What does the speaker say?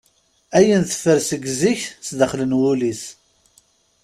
Ayen teffer seg zik s daxel n wul-is.